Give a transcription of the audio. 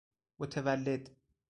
متولد